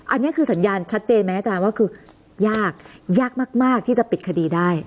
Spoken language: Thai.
อันนี้คือสัญญาณชัดเจนไหมอาจารย์ว่าคือยากยากมากที่จะปิดคดีได้